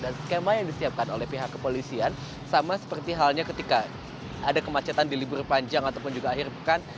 dan skema yang disiapkan oleh pihak kepolisian sama seperti halnya ketika ada kemacetan di libur panjang ataupun juga akhir pekan